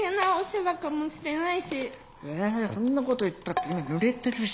「えそんなこと言ったってぬれてるし」。